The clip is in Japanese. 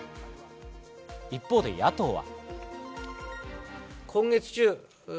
一方で野党は。